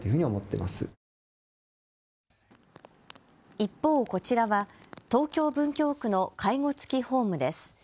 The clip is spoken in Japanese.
一方、こちらは東京文京区の介護付きホームです。